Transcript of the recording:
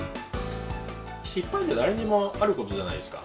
失敗って、誰にもあることじゃないですか。